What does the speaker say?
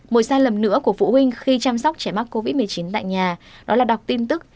một sai lầm nữa của phụ huynh khi chăm sóc trẻ mắc covid một mươi chín tại nhà đó là đọc tin tức